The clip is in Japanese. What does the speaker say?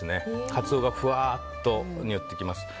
カツオがふわっとにおってきます。